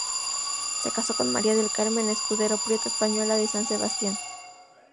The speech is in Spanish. Se casó con María del Carmen Escudero Prieto, española de San Sebastián.